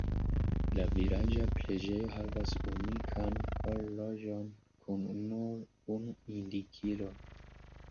La vilaĝa preĝejo havas unikan horloĝon kun nur unu indikilo.